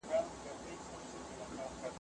احمد شاه ابدالي څنګه د کرنې ملاتړ کاوه؟